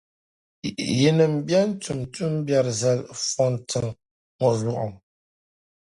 yinim’ bɛn tum tumbiɛri zali fɔntiŋ’ ŋɔ zuɣu.